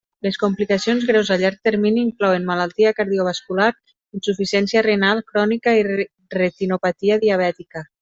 Les complicacions greus a llarg termini inclouen malaltia cardiovascular, insuficiència renal crònica i retinopatia diabètica.